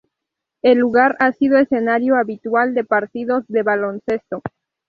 El lugar ha sido escenario habitual de partidos de baloncesto.